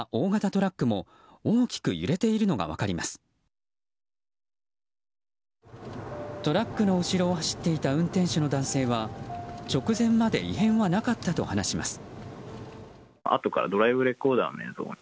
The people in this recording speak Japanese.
トラックの後ろを走っていた運転手の男性は直前まで異変はなかったと話します。